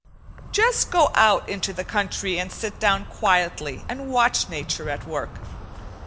Just go out into the country, and sit down quietly and watch nature at work.